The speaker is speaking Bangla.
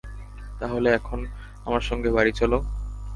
তাহলে, এখন আমার সঙ্গে বাড়ি চল?